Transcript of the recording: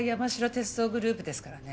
鉄道グループですからね